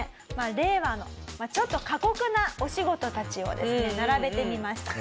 令和のちょっと過酷なお仕事たちをですね並べてみました。